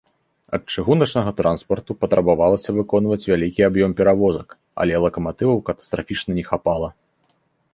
Ад чыгуначнага транспарту патрабавалася выконваць вялікі аб'ём перавозак, але лакаматываў катастрафічна не хапала.